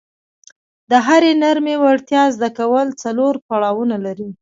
د هرې نرمې وړتیا زده کول څلور پړاونه لري.